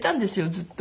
ずっと。